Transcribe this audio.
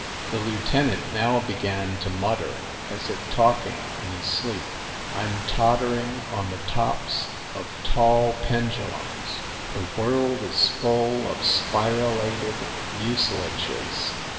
The lieutenant now began to mutter, as if talking in his sleep. "I'm tottering on the tops of tall pendu lums. ... The world is full of spiralated muci lages